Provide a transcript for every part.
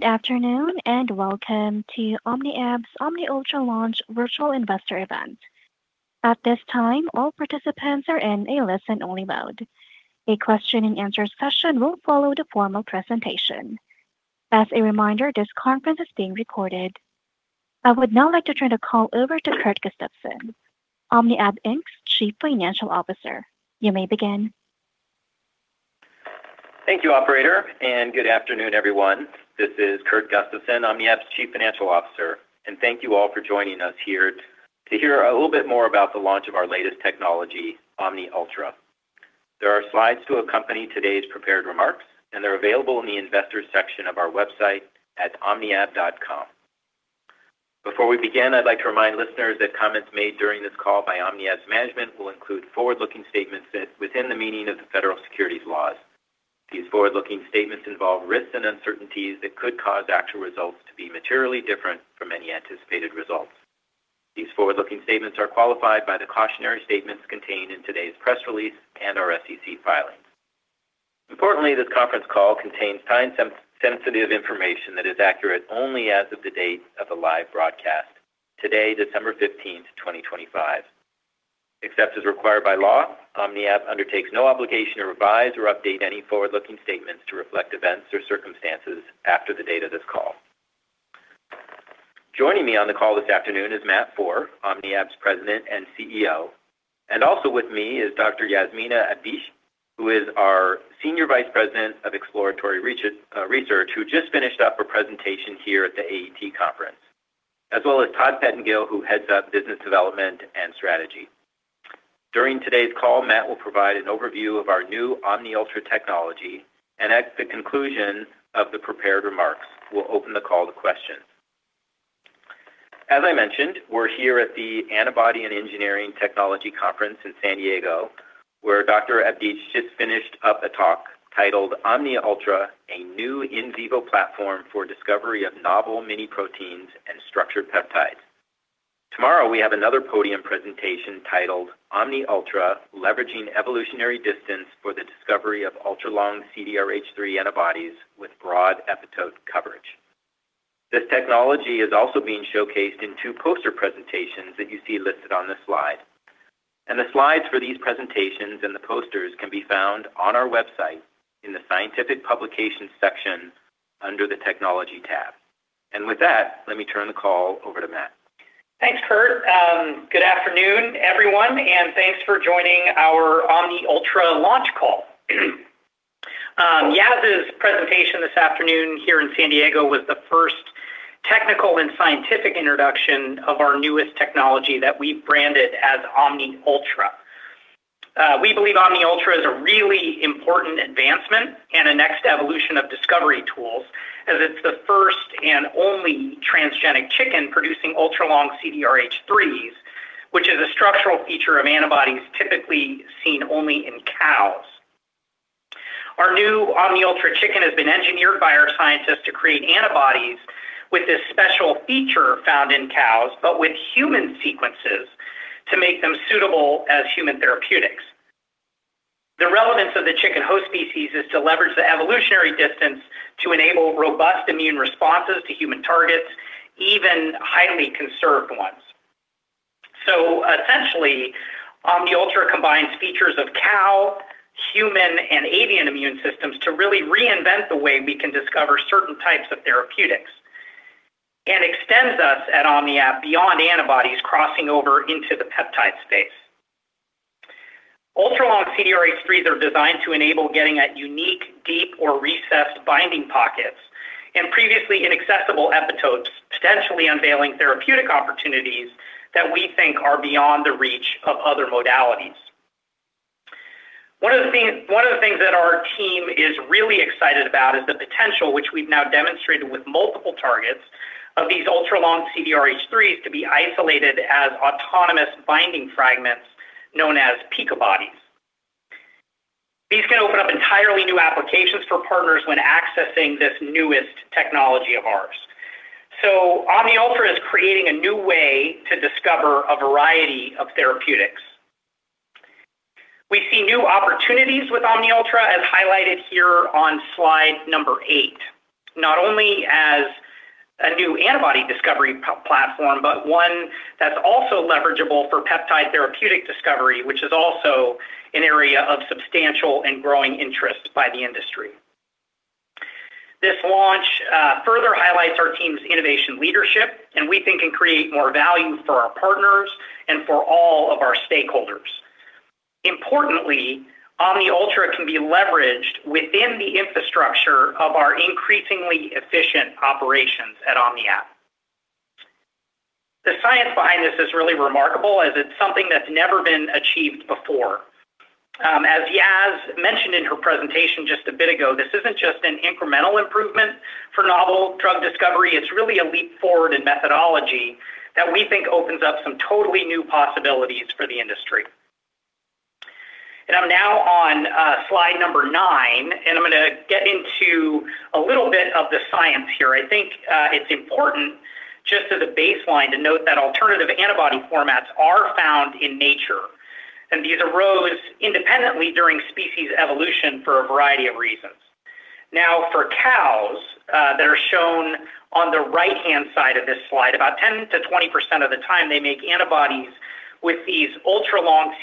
Good afternoon and welcome to OmniAb's OmniUltra Launch virtual investor event. At this time, all participants are in a listen-only mode. A question-and-answer session will follow the formal presentation. As a reminder, this conference is being recorded. I would now like to turn the call over to Kurt Gustafson, OmniAb, Inc's Chief Financial Officer. You may begin. Thank you, Operator, and good afternoon, everyone. This is Kurt Gustafson, OmniAb's Chief Financial Officer, and thank you all for joining us here to hear a little bit more about the launch of our latest technology, OmniUltra. There are slides to accompany today's prepared remarks, and they're available in the Investor section of our website at omniab.com. Before we begin, I'd like to remind listeners that comments made during this call by OmniAb's management will include forward-looking statements that fit within the meaning of the federal securities laws. These forward-looking statements involve risks and uncertainties that could cause actual results to be materially different from any anticipated results. These forward-looking statements are qualified by the cautionary statements contained in today's press release and our SEC filings. Importantly, this conference call contains time-sensitive information that is accurate only as of the date of the live broadcast today, December 15th, 2025. Except as required by law, OmniAb undertakes no obligation to revise or update any forward-looking statements to reflect events or circumstances after the date of this call. Joining me on the call this afternoon is Matt Foehr, OmniAb's President and CEO, and also with me is Dr. Yasmina Abdiche, who is our Senior Vice President of Exploratory Research, who just finished up her presentation here at the AET Conference, as well as Todd Pettingill, who heads up Business Development and Strategy. During today's call, Matt will provide an overview of our new OmniUltra technology and, at the conclusion of the prepared remarks, we'll open the call to questions. As I mentioned, we're here at the Antibody Engineering & Therapeutics Conference in San Diego, where Dr. Abdiche just finished up a talk titled, "OmniUltra: A New In Vivo Platform for Discovery of Novel Mini-Proteins and Structured Peptides." Tomorrow, we have another podium presentation titled, "OmniUltra: Leveraging Evolutionary Distance for the Discovery of Ultra-Long CDRH3 Antibodies with Broad Epitope Coverage." This technology is also being showcased in two poster presentations that you see listed on this slide. The slides for these presentations and the posters can be found on our website in the Scientific Publications section under the Technology tab. With that, let me turn the call over to Matt. Thanks, Kurt. Good afternoon, everyone, and thanks for joining our OmniUltra launch call. Yas' presentation this afternoon here in San Diego was the first technical and scientific introduction of our newest technology that we've branded as OmniUltra. We believe OmniUltra is a really important advancement and a next evolution of discovery tools as it's the first and only transgenic chicken producing ultra-long CDRH3s, which is a structural feature of antibodies typically seen only in cows. Our new OmniUltra chicken has been engineered by our scientists to create antibodies with this special feature found in cows, but with human sequences to make them suitable as human therapeutics. The relevance of the chicken host species is to leverage the evolutionary distance to enable robust immune responses to human targets, even highly conserved ones. Essentially, OmniUltra combines features of cow, human, and avian immune systems to really reinvent the way we can discover certain types of therapeutics and extends us at OmniAb beyond antibodies crossing over into the peptide space. Ultra-long CDRH3s are designed to enable getting at unique, deep, or recessed binding pockets and previously inaccessible epitopes, potentially unveiling therapeutic opportunities that we think are beyond the reach of other modalities. One of the things that our team is really excited about is the potential, which we've now demonstrated with multiple targets, of these ultra-long CDRH3s to be isolated as autonomous binding fragments known as picobodies. These can open up entirely new applications for partners when accessing this newest technology of ours. OmniUltra is creating a new way to discover a variety of therapeutics. We see new opportunities with OmniUltra, as highlighted here on slide number eight, not only as a new antibody discovery platform, but one that's also leverageable for peptide therapeutic discovery, which is also an area of substantial and growing interest by the industry. This launch further highlights our team's innovation leadership, and we think can create more value for our partners and for all of our stakeholders. Importantly, OmniUltra can be leveraged within the infrastructure of our increasingly efficient operations at OmniAb. The science behind this is really remarkable as it's something that's never been achieved before. As Yas mentioned in her presentation just a bit ago, this isn't just an incremental improvement for novel drug discovery. It's really a leap forward in methodology that we think opens up some totally new possibilities for the industry. I'm now on slide number nine, and I'm going to get into a little bit of the science here. I think it's important just as a baseline to note that alternative antibody formats are found in nature, and these arose independently during species evolution for a variety of reasons. Now, for cows that are shown on the right-hand side of this slide, about 10%-20% of the time they make antibodies with these ultra-long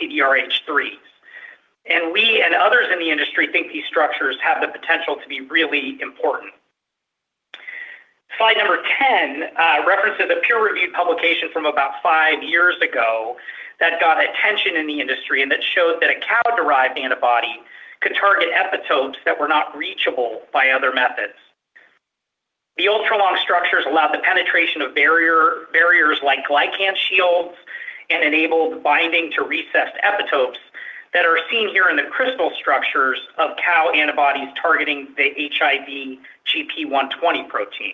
CDRH3s. We and others in the industry think these structures have the potential to be really important. Slide number 10 references a peer-reviewed publication from about five years ago that got attention in the industry and that showed that a cow-derived antibody could target epitopes that were not reachable by other methods. The ultra-long structures allowed the penetration of barriers like glycan shields and enabled binding to recessed epitopes that are seen here in the crystal structures of cow antibodies targeting the HIV gp120 protein.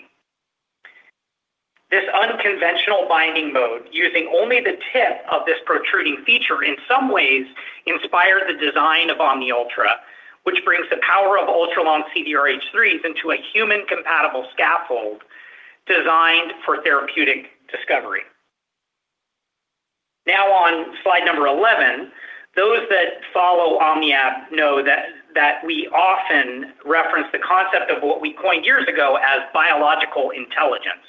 This unconventional binding mode, using only the tip of this protruding feature, in some ways inspired the design of OmniUltra, which brings the power of ultra-long CDRH3s into a human-compatible scaffold designed for therapeutic discovery. Now, on slide number 11, those that follow OmniAb know that we often reference the concept of what we coined years ago as biological intelligence.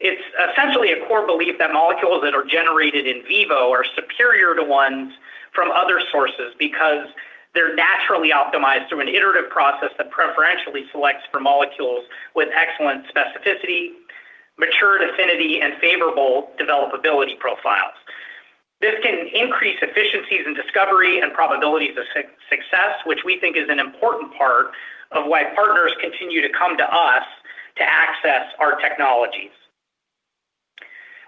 It's essentially a core belief that molecules that are generated in vivo are superior to ones from other sources because they're naturally optimized through an iterative process that preferentially selects for molecules with excellent specificity, mature affinity, and favorable developability profiles. This can increase efficiencies in discovery and probabilities of success, which we think is an important part of why partners continue to come to us to access our technologies.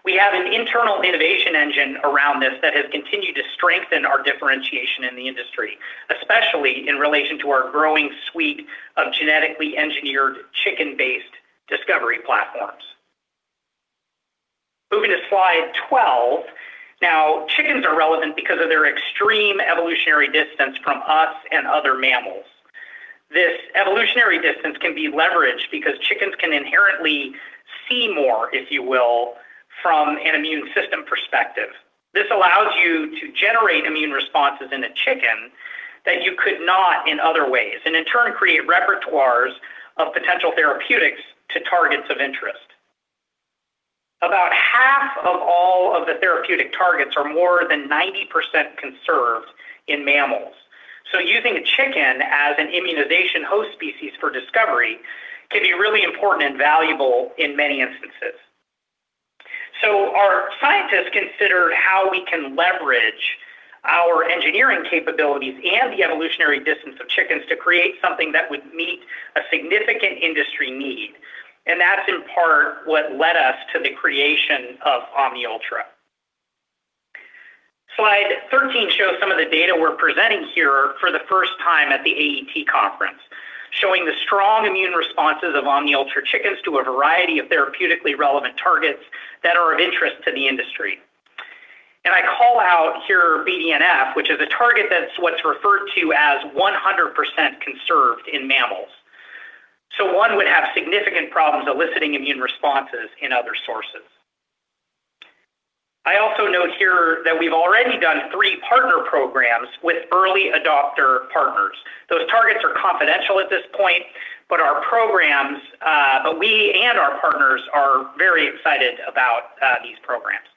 We have an internal innovation engine around this that has continued to strengthen our differentiation in the industry, especially in relation to our growing suite of genetically engineered chicken-based discovery platforms. Moving to slide 12, now chickens are relevant because of their extreme evolutionary distance from us and other mammals. This evolutionary distance can be leveraged because chickens can inherently see more, if you will, from an immune system perspective. This allows you to generate immune responses in a chicken that you could not in other ways, and in turn, create repertoires of potential therapeutics to targets of interest. About half of all of the therapeutic targets are more than 90% conserved in mammals. So using a chicken as an immunization host species for discovery can be really important and valuable in many instances. So our scientists considered how we can leverage our engineering capabilities and the evolutionary distance of chickens to create something that would meet a significant industry need, and that's in part what led us to the creation of OmniUltra. Slide 13 shows some of the data we're presenting here for the first time at the AET Conference, showing the strong immune responses of OmniUltra chickens to a variety of therapeutically relevant targets that are of interest to the industry. And I call out here BDNF, which is a target that's what's referred to as 100% conserved in mammals. So one would have significant problems eliciting immune responses in other sources. I also note here that we've already done three partner programs with early adopter partners. Those targets are confidential at this point, but we and our partners are very excited about these programs.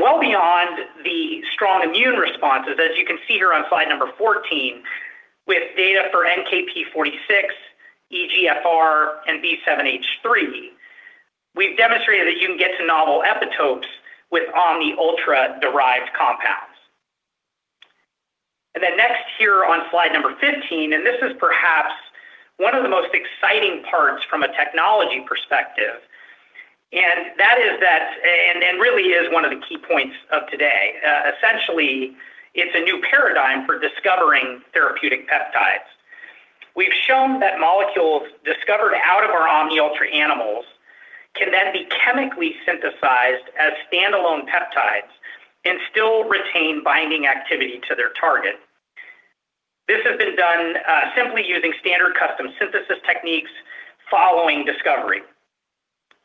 Well beyond the strong immune responses, as you can see here on slide number 14, with data for NKp46, EGFR, and B7-H3, we've demonstrated that you can get to novel epitopes with OmniUltra-derived compounds. Next here on slide number 15, and this is perhaps one of the most exciting parts from a technology perspective, and that is that, and really is one of the key points of today. Essentially, it's a new paradigm for discovering therapeutic peptides. We've shown that molecules discovered out of our OmniUltra animals can then be chemically synthesized as standalone peptides and still retain binding activity to their target. This has been done simply using standard custom synthesis techniques following discovery.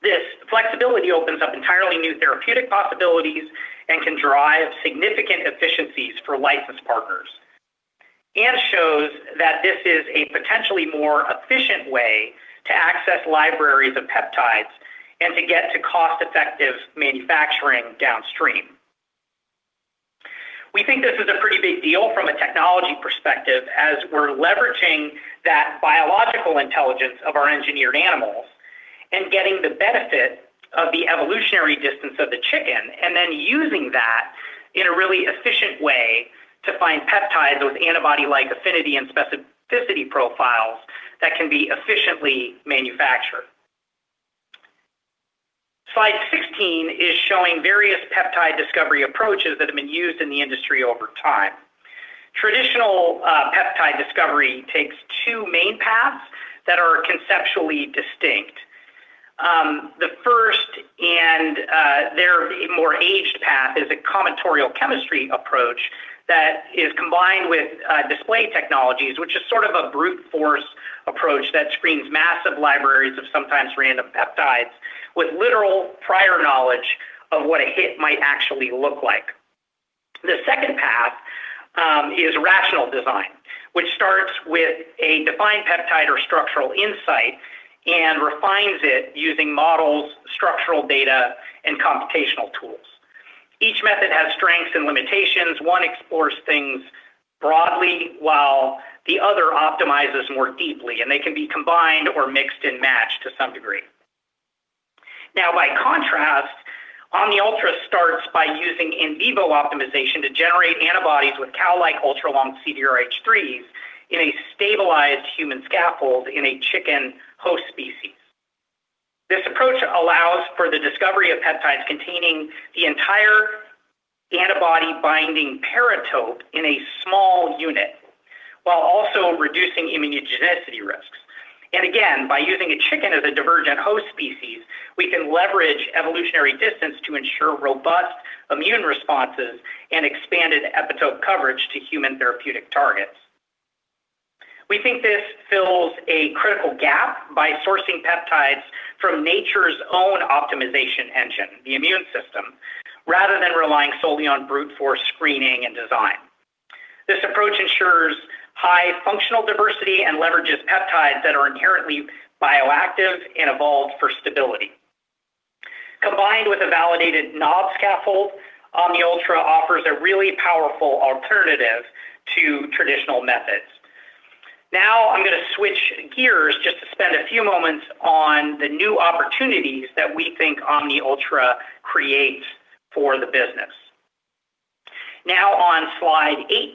This flexibility opens up entirely new therapeutic possibilities and can drive significant efficiencies for licensed partners and shows that this is a potentially more efficient way to access libraries of peptides and to get to cost-effective manufacturing downstream. We think this is a pretty big deal from a technology perspective as we're leveraging that biological intelligence of our engineered animals and getting the benefit of the evolutionary distance of the chicken, and then using that in a really efficient way to find peptides with antibody-like affinity and specificity profiles that can be efficiently manufactured. Slide 16 is showing various peptide discovery approaches that have been used in the industry over time. Traditional peptide discovery takes two main paths that are conceptually distinct. The first and the more aged path is a combinatorial chemistry approach that is combined with display technologies, which is sort of a brute force approach that screens massive libraries of sometimes random peptides without any prior knowledge of what a hit might actually look like. The second path is rational design, which starts with a defined peptide or structural insight and refines it using models, structural data, and computational tools. Each method has strengths and limitations. One explores things broadly while the other optimizes more deeply, and they can be combined or mixed and matched to some degree. Now, by contrast, OmniUltra starts by using in vivo optimization to generate antibodies with cow-like ultra-long CDRH3s in a stabilized human scaffold in a chicken host species. This approach allows for the discovery of peptides containing the entire antibody-binding paratope in a small unit while also reducing immunogenicity risks. Again, by using a chicken as a divergent host species, we can leverage evolutionary distance to ensure robust immune responses and expanded epitope coverage to human therapeutic targets. We think this fills a critical gap by sourcing peptides from nature's own optimization engine, the immune system, rather than relying solely on brute force screening and design. This approach ensures high functional diversity and leverages peptides that are inherently bioactive and evolved for stability. Combined with a validated knob scaffold, OmniUltra offers a really powerful alternative to traditional methods. Now, I'm going to switch gears just to spend a few moments on the new opportunities that we think OmniUltra creates for the business. Now, on slide 18,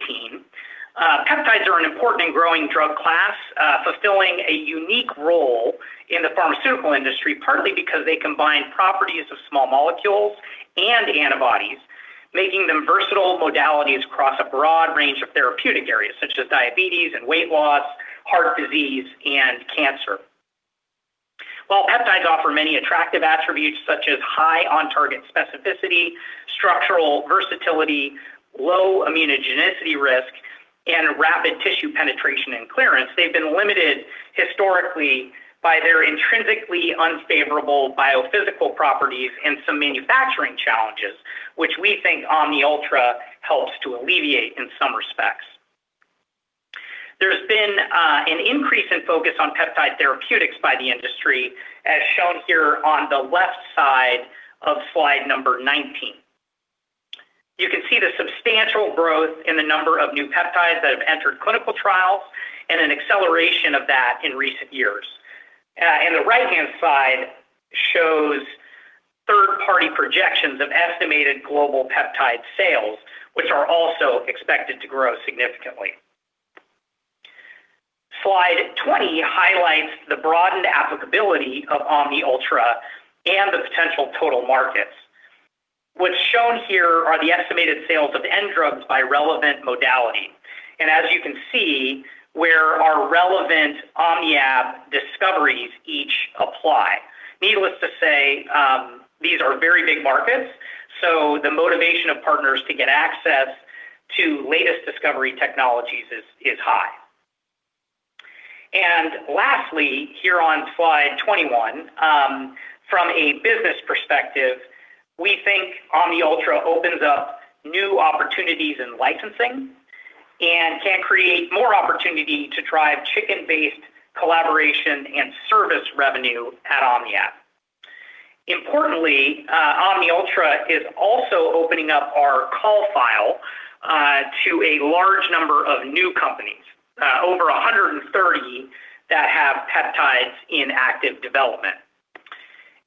peptides are an important and growing drug class, fulfilling a unique role in the pharmaceutical industry, partly because they combine properties of small molecules and antibodies, making them versatile modalities across a broad range of therapeutic areas such as diabetes and weight loss, heart disease, and cancer. While peptides offer many attractive attributes such as high on-target specificity, structural versatility, low immunogenicity risk, and rapid tissue penetration and clearance, they've been limited historically by their intrinsically unfavorable biophysical properties and some manufacturing challenges, which we think OmniUltra helps to alleviate in some respects. There's been an increase in focus on peptide therapeutics by the industry, as shown here on the left side of slide number 19. You can see the substantial growth in the number of new peptides that have entered clinical trials and an acceleration of that in recent years. And the right-hand side shows third-party projections of estimated global peptide sales, which are also expected to grow significantly. Slide 20 highlights the broadened applicability of OmniUltra and the potential total markets. What's shown here are the estimated sales of end drugs by relevant modality. And as you can see, where our relevant OmniAb discoveries each apply? Needless to say, these are very big markets, so the motivation of partners to get access to latest discovery technologies is high. And lastly, here on slide 21, from a business perspective, we think OmniUltra opens up new opportunities in licensing and can create more opportunity to drive chicken-based collaboration and service revenue at OmniAb. Importantly, OmniUltra is also opening up our client file to a large number of new companies, over 130 that have peptides in active development,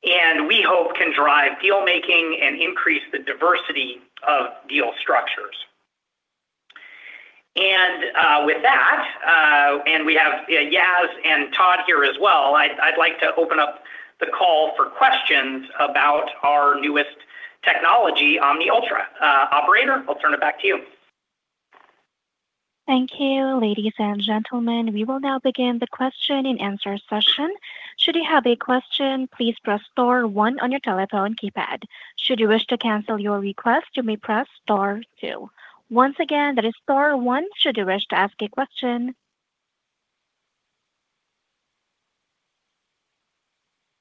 and we hope can drive deal-making and increase the diversity of deal structures. And with that, we have Yas and Todd here as well. I'd like to open up the call for questions about our newest technology, OmniUltra. Operator, I'll turn it back to you. Thank you, ladies and gentlemen. We will now begin the question-and-answer session. Should you have a question, please press star 1 on your telephone keypad. Should you wish to cancel your request, you may press star 2. Once again, that is star 1. Should you wish to ask a question?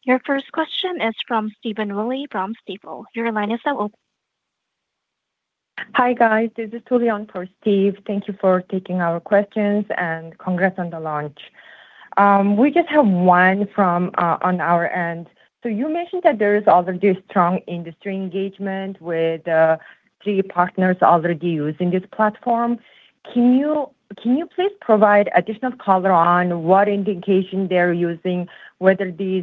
Your first question is from Stephen Willey from Stifel. Your line is now open. Hi guys, this is [Tuliyong] for Steve. Thank you for taking our questions and congrats on the launch. We just have one from on our end. So you mentioned that there is already strong industry engagement with the three partners already using this platform. Can you please provide additional color on what indication they're using, whether their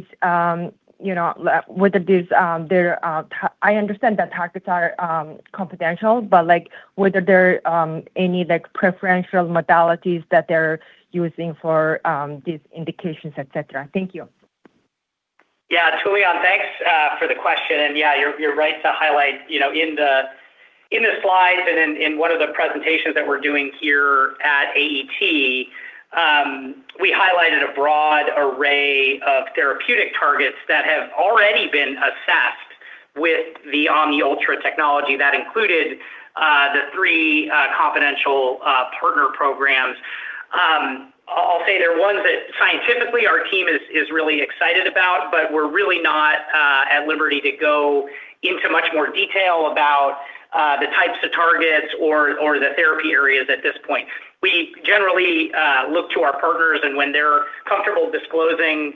targets are confidential, but whether there are any preferential modalities that they're using for these indications, etc.? Thank you. Yeah, [Tuliyong], thanks for the question. And yeah, you're right to highlight in the slides and in one of the presentations that we're doing here at AET, we highlighted a broad array of therapeutic targets that have already been assessed with the OmniUltra technology. That included the three confidential partner programs. I'll say they're ones that scientifically our team is really excited about, but we're really not at liberty to go into much more detail about the types of targets or the therapy areas at this point. We generally look to our partners, and when they're comfortable disclosing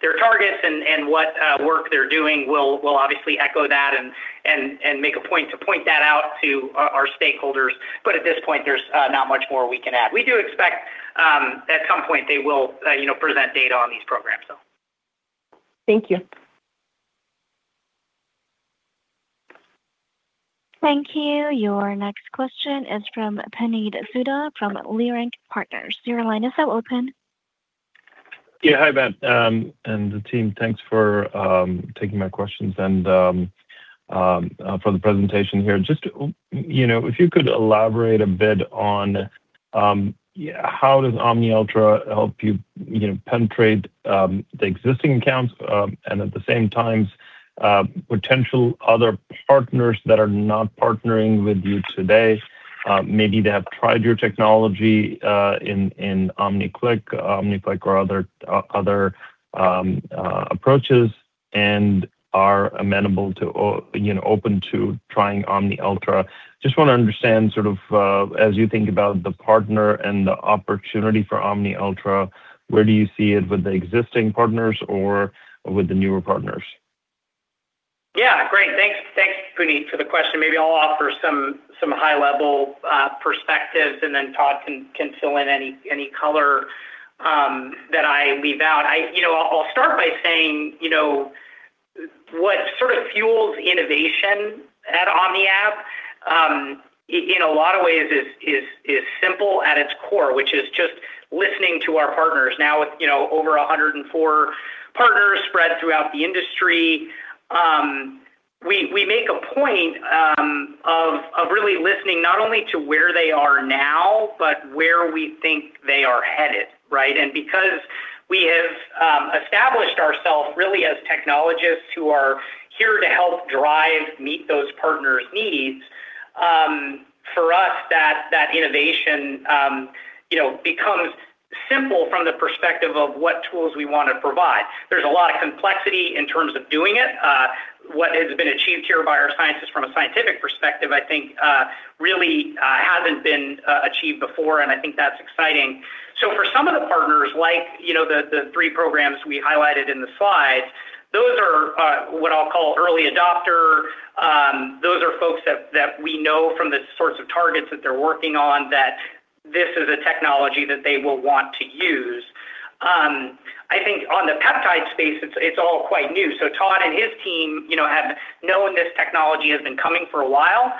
their targets and what work they're doing, we'll obviously echo that and make a point to point that out to our stakeholders. But at this point, there's not much more we can add. We do expect at some point they will present data on these programs, so. Thank you. Thank you. Your next question is from Puneet Souda from Leerink Partners. Your line is now open. Yeah, hi Matt and the team, thanks for taking my questions and for the presentation here. Just if you could elaborate a bit on how does OmniUltra help you penetrate the existing accounts and at the same time potential other partners that are not partnering with you today? Maybe they have tried your technology in OmniClic, OmniClic, or other approaches and are amenable to open to trying OmniUltra. Just want to understand sort of as you think about the partner and the opportunity for OmniUltra, where do you see it with the existing partners or with the newer partners? Yeah, great. Thanks, Puneet, for the question. Maybe I'll offer some high-level perspectives, and then Todd can fill in any color that I leave out. I'll start by saying what sort of fuels innovation at OmniAb in a lot of ways is simple at its core, which is just listening to our partners. Now, with over 104 partners spread throughout the industry, we make a point of really listening not only to where they are now, but where we think they are headed, right? And because we have established ourselves really as technologists who are here to help drive meet those partners' needs, for us, that innovation becomes simple from the perspective of what tools we want to provide. There's a lot of complexity in terms of doing it. What has been achieved here by our scientists from a scientific perspective, I think, really hasn't been achieved before, and I think that's exciting. So for some of the partners, like the three programs we highlighted in the slides, those are what I'll call early adopters. Those are folks that we know from the sorts of targets that they're working on that this is a technology that they will want to use. I think on the peptide space, it's all quite new. So Todd and his team have known this technology has been coming for a while.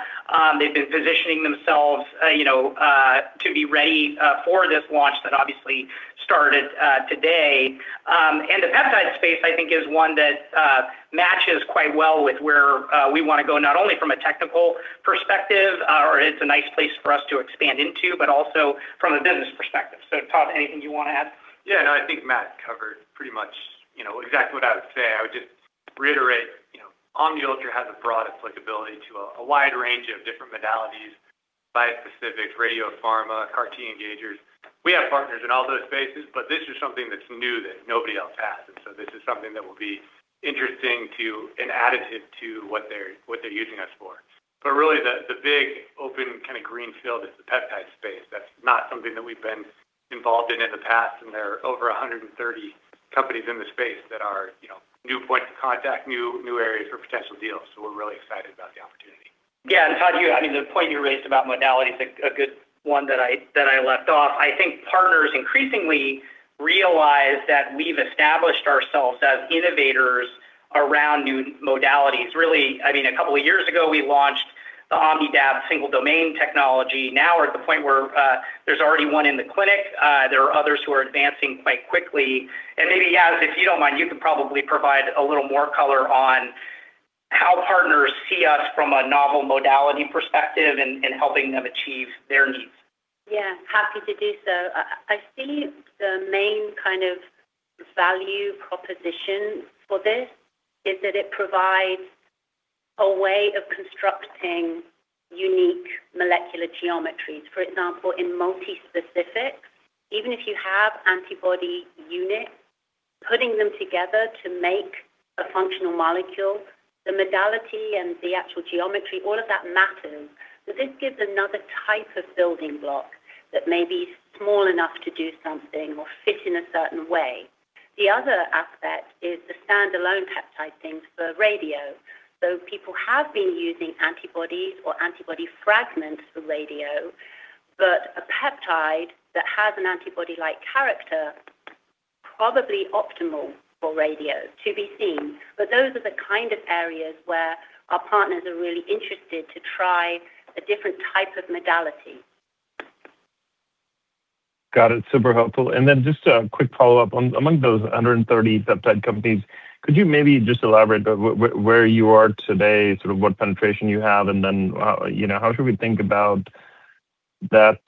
They've been positioning themselves to be ready for this launch that obviously started today. And the peptide space, I think, is one that matches quite well with where we want to go not only from a technical perspective, or it's a nice place for us to expand into, but also from a business perspective. So Todd, anything you want to add? Yeah, no, I think Matt covered pretty much exactly what I would say. I would just reiterate OmniUltra has a broad applicability to a wide range of different modalities: bispecifics, radiopharma, CAR-T engagers. We have partners in all those spaces, but this is something that's new that nobody else has. And so this is something that will be interesting as an additive to what they're using us for. But really, the big open kind of greenfield is the peptide space. That's not something that we've been involved in in the past, and there are over 130 companies in the space that are new points of contact, new areas for potential deals. So we're really excited about the opportunity. Yeah, and Todd, I mean, the point you raised about modality is a good one that I left off. I think partners increasingly realize that we've established ourselves as innovators around new modalities. Really, I mean, a couple of years ago, we launched the OmnidAb single-domain technology. Now we're at the point where there's already one in the clinic. There are others who are advancing quite quickly. And maybe, Yas, if you don't mind, you could probably provide a little more color on how partners see us from a novel modality perspective and helping them achieve their needs. Yeah, happy to do so. I see the main kind of value proposition for this is that it provides a way of constructing unique molecular geometries. For example, in multispecifics, even if you have antibody units, putting them together to make a functional molecule, the modality and the actual geometry, all of that matters, but this gives another type of building block that may be small enough to do something or fit in a certain way. The other aspect is the standalone peptide things for radio. So people have been using antibodies or antibody fragments for radio, but a peptide that has an antibody-like character is probably optimal for radio to be seen, but those are the kind of areas where our partners are really interested to try a different type of modality. Got it. Super helpful, and then just a quick follow-up. Among those 130 peptide companies, could you maybe just elaborate where you are today, sort of what penetration you have, and then how should we think about that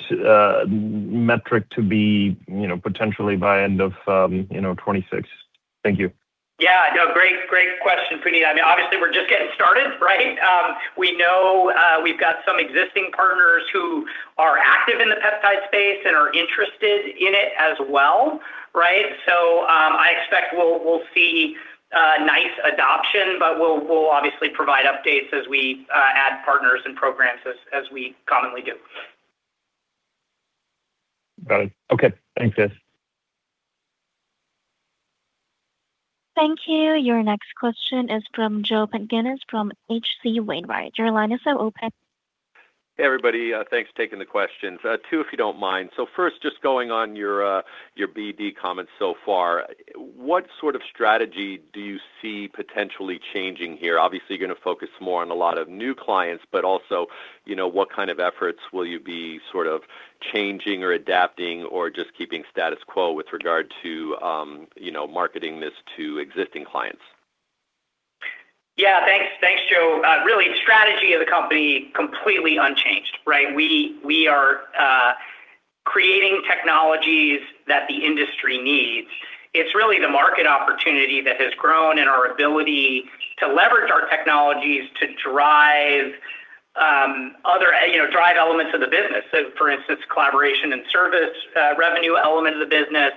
metric to be potentially by end of 2026? Thank you. Yeah, no, great question, Puneet. I mean, obviously, we're just getting started, right? We know we've got some existing partners who are active in the peptide space and are interested in it as well, right? So I expect we'll see nice adoption, but we'll obviously provide updates as we add partners and programs as we commonly do. Got it. Okay. Thanks, Yas. Thank you. Your next question is from Joseph Pantginis from H.C. Wainwright & Co. Your line is now open. Hey, everybody. Thanks for taking the questions. Two, if you don't mind. So first, just going on your BD comments so far, what sort of strategy do you see potentially changing here? Obviously, you're going to focus more on a lot of new clients, but also what kind of efforts will you be sort of changing or adapting or just keeping status quo with regard to marketing this to existing clients? Yeah, thanks, Joe. Really, strategy of the company completely unchanged, right? We are creating technologies that the industry needs. It's really the market opportunity that has grown and our ability to leverage our technologies to drive elements of the business. So, for instance, collaboration and service revenue element of the business,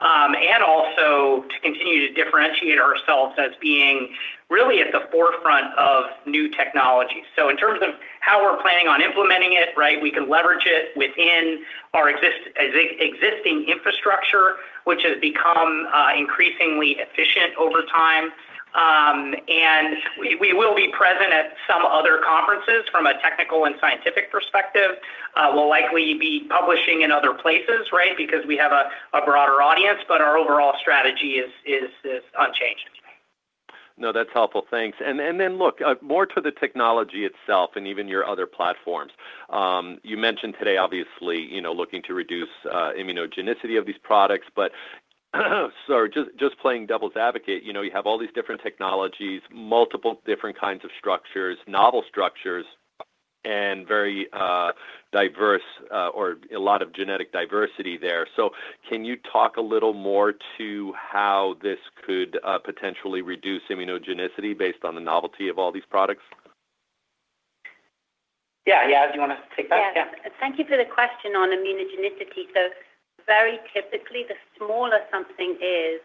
and also to continue to differentiate ourselves as being really at the forefront of new technologies. So in terms of how we're planning on implementing it, right, we can leverage it within our existing infrastructure, which has become increasingly efficient over time. And we will be present at some other conferences from a technical and scientific perspective. We'll likely be publishing in other places, right, because we have a broader audience, but our overall strategy is unchanged. No, that's helpful. Thanks. And then, look, more to the technology itself and even your other platforms. You mentioned today, obviously, looking to reduce immunogenicity of these products, but sorry, just playing devil's advocate, you have all these different technologies, multiple different kinds of structures, novel structures, and very diverse or a lot of genetic diversity there. So can you talk a little more to how this could potentially reduce immunogenicity based on the novelty of all these products? Yeah, Yas, do you want to take that? Yeah. Thank you for the question on immunogenicity. So very typically, the smaller something is,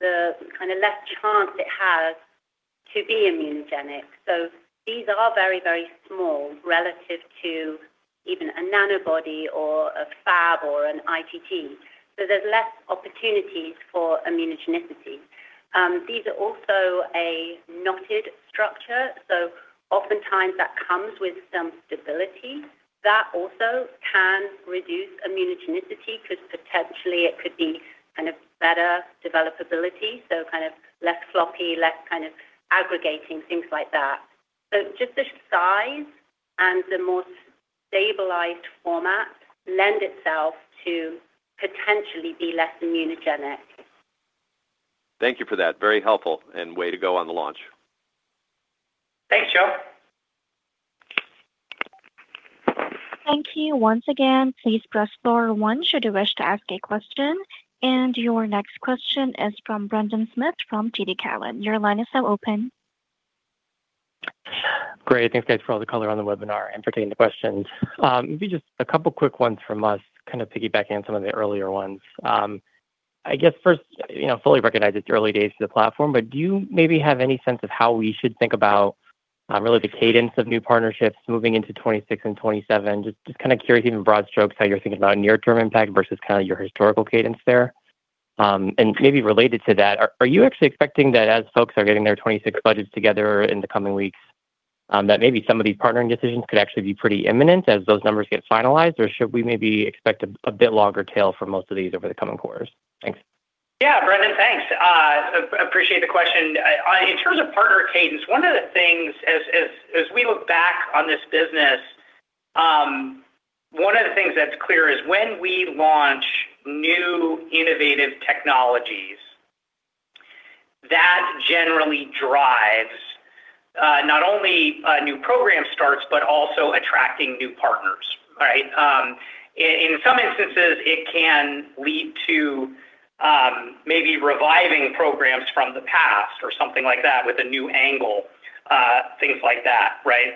the kind of less chance it has to be immunogenic. So these are very, very small relative to even a nanobody or a Fab or an scFv. So there's less opportunities for immunogenicity. These are also a knotted structure. So oftentimes, that comes with some stability. That also can reduce immunogenicity because potentially, it could be kind of better developability, so kind of less floppy, less kind of aggregating, things like that. So just the size and the more stabilized format lend itself to potentially be less immunogenic. Thank you for that. Very helpful and way to go on the launch. Thanks, Joe. Thank you. Once again, please press star one should you wish to ask a question. And your next question is from Brendan Smith from TD Cowen. Your line is now open. Great. Thanks, guys, for all the color on the webinar and for taking the questions. Maybe just a couple of quick ones from us, kind of piggybacking on some of the earlier ones. I guess first, fully recognize it's early days for the platform, but do you maybe have any sense of how we should think about really the cadence of new partnerships moving into 2026 and 2027? Just kind of curious, even broad strokes, how you're thinking about near-term impact versus kind of your historical cadence there. And maybe related to that, are you actually expecting that as folks are getting their 2026 budgets together in the coming weeks, that maybe some of these partnering decisions could actually be pretty imminent as those numbers get finalized, or should we maybe expect a bit longer tail for most of these over the coming quarters? Thanks. Yeah, Brendan, thanks. Appreciate the question. In terms of partner cadence, one of the things as we look back on this business, one of the things that's clear is when we launch new innovative technologies, that generally drives not only new program starts, but also attracting new partners, right? In some instances, it can lead to maybe reviving programs from the past or something like that with a new angle, things like that, right?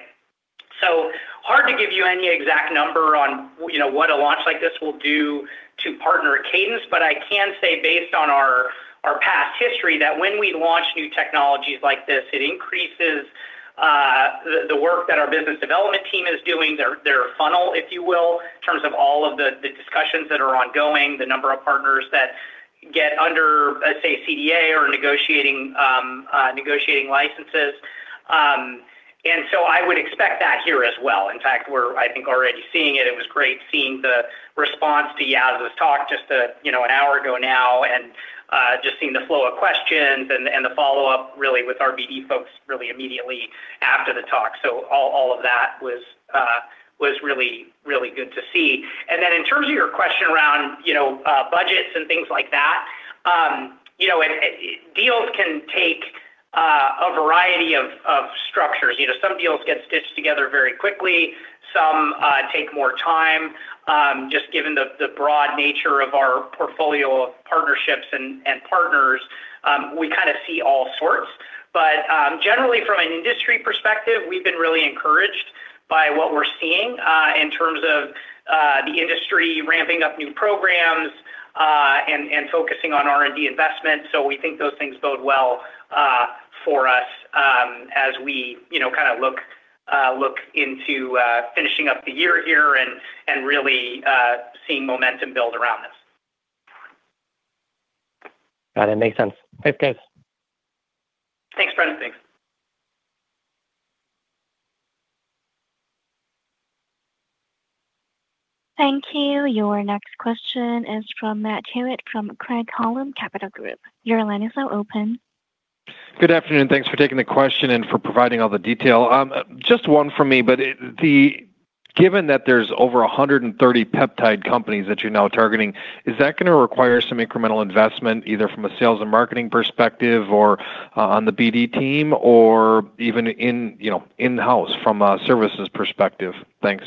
So hard to give you any exact number on what a launch like this will do to partner cadence, but I can say based on our past history that when we launch new technologies like this, it increases the work that our business development team is doing, their funnel, if you will, in terms of all of the discussions that are ongoing, the number of partners that get under, say, CDA or negotiating licenses. And so I would expect that here as well. In fact, we're, I think, already seeing it. It was great seeing the response to Yas' talk just an hour ago now and just seeing the flow of questions and the follow-up really with our BD folks really immediately after the talk. So all of that was really, really good to see. And then in terms of your question around budgets and things like that, deals can take a variety of structures. Some deals get stitched together very quickly. Some take more time. Just given the broad nature of our portfolio of partnerships and partners, we kind of see all sorts. But generally, from an industry perspective, we've been really encouraged by what we're seeing in terms of the industry ramping up new programs and focusing on R&D investment. So we think those things bode well for us as we kind of look into finishing up the year here and really seeing momentum build around this. Got it. Makes sense. Thanks, guys. Thanks, Brendan. Thanks. Thank you. Your next question is from Matt Hewitt from Craig-Hallum Capital Group. Your line is now open. Good afternoon. Thanks for taking the question and for providing all the detail. Just one for me, but given that there's over 130 peptide companies that you're now targeting, is that going to require some incremental investment either from a sales and marketing perspective or on the BD team or even in-house from a services perspective? Thanks.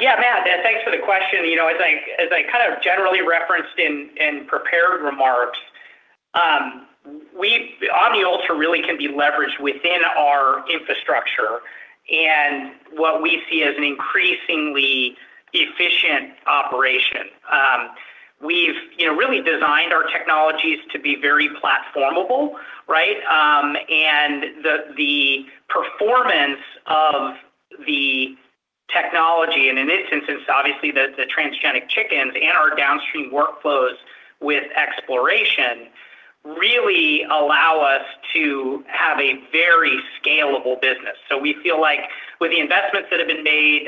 Yeah, Matt. Thanks for the question. As I kind of generally referenced in prepared remarks, OmniUltra really can be leveraged within our infrastructure and what we see as an increasingly efficient operation. We've really designed our technologies to be very platformable, right, and the performance of the technology, and in this instance, obviously, the transgenic chickens and our downstream workflows with xPloration really allow us to have a very scalable business, so we feel like with the investments that have been made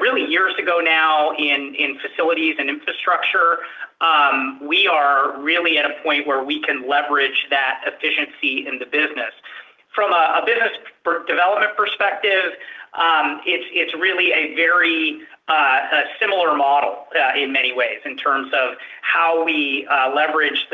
really years ago now in facilities and infrastructure, we are really at a point where we can leverage that efficiency in the business. From a business development perspective, it's really a very similar model in many ways in terms of how we leverage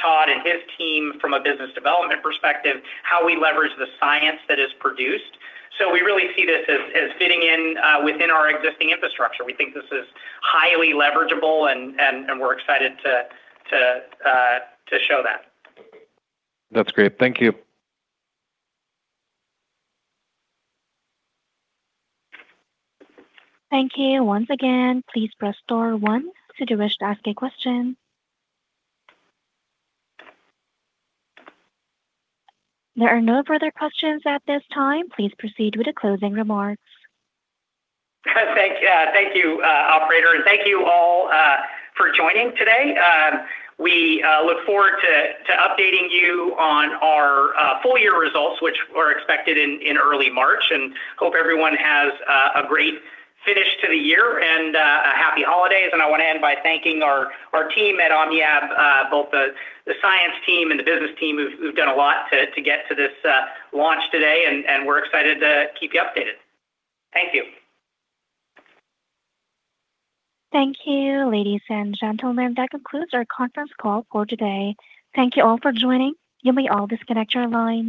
Todd and his team from a business development perspective, how we leverage the science that is produced, so we really see this as fitting in within our existing infrastructure. We think this is highly leverageable, and we're excited to show that. That's great. Thank you. Thank you. Once again, please press star one should you wish to ask a question. There are no further questions at this time. Please proceed with the closing remarks. Thank you, operator, and thank you all for joining today. We look forward to updating you on our full year results, which were expected in early March, and hope everyone has a great finish to the year and a happy holidays, and I want to end by thanking our team at OmniAb, both the science team and the business team. We've done a lot to get to this launch today, and we're excited to keep you updated. Thank you. Thank you, ladies and gentlemen. That concludes our conference call for today. Thank you all for joining. You may all disconnect your lines.